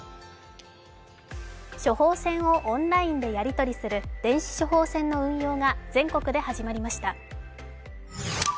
処方箋をオンラインでやり取りする電子処方箋の運用が全国で始まりました。